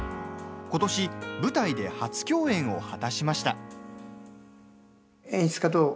ことし舞台で初共演を果たしました。